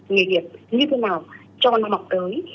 nghề nghiệp như thế nào cho năm học tới